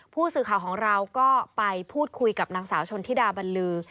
ผู้สื่อข่าวของเราก็ไปพูดคุยกับนางสาวชนธิดาบันลือ